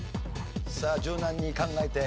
さあ柔軟に考えて。